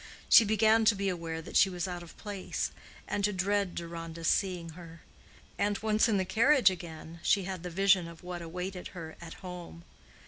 She began to be aware that she was out of place, and to dread Deronda's seeing her. And once in the carriage again, she had the vision of what awaited her at home.